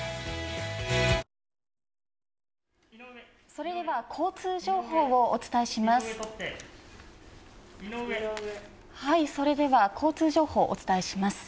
それでは交通情報をお伝えします。